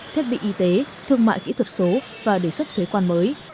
thiết bị y tế thương mại kỹ thuật số và đề xuất thuế quan mới